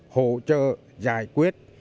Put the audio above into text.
hỗ trợ giải quyết